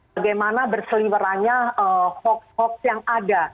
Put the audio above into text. bagaimana berseliwerannya hoax hoax yang ada